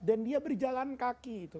dan dia berjalan kaki itu